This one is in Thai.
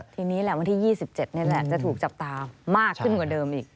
ทีนี้แหละวันที่๒๗นี่แหละจะถูกจับตามากขึ้นกว่าเดิมอีก